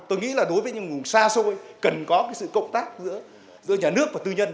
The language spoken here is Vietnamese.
tôi nghĩ là đối với những vùng xa xôi cần có cái sự cộng tác giữa nhà nước và tư nhân